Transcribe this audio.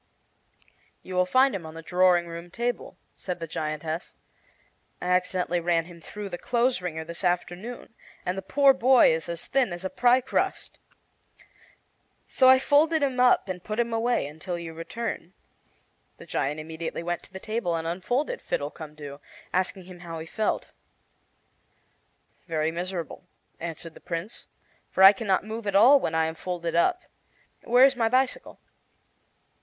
"You will find him on the drawing room table," said the giantess. "I accidently ran him through the clothes wringer this afternoon, and the poor boy is as thin as a pie crust. So I folded him up and put him away until you returned." The giant immediately went to the table and unfolded Fiddlecumdoo, asking him how he felt. "Very miserable," answered the Prince, "for I can not move at all when I am folded up. Where is my bicycle?"